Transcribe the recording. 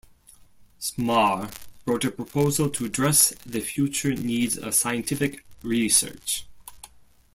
Smarr wrote a proposal to address the future needs of scientific research.